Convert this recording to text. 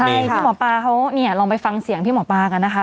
ใช่พี่หมอปลาเขาเนี่ยลองไปฟังเสียงพี่หมอปลากันนะคะ